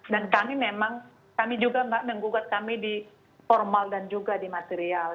dan kami memang kami juga mbak menggugat kami di formal dan juga di material